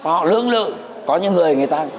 họ lưỡng lự có những người người ta